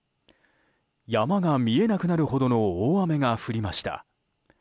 山が見えなくなるほどの大雨が降りました。